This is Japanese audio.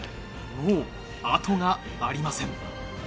もう後がありません。